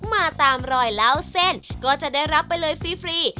มาตามรอยเล่าเส้นก็จะได้รับไปเลยฟรี